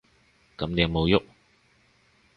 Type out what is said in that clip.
噉你有無郁？